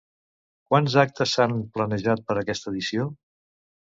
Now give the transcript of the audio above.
Quants actes s'han planejat per a aquesta edició?